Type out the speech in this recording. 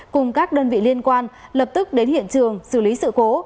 cùng các đơn vị liên quan lập tức đến hiện trường xử lý sự cố